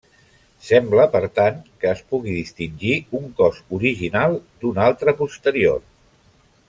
Sembla, per tant, que es pugui distingir un cos original d'un altre posterior.